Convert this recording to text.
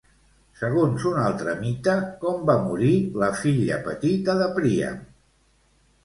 Segons un altre mite, com va morir la filla petita de Príam?